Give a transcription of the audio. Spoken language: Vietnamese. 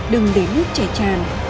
đừng để nước chè chàn